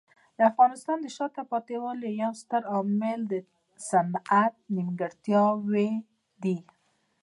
د افغانستان د شاته پاتې والي یو ستر عامل صنعتي نیمګړتیاوې دي.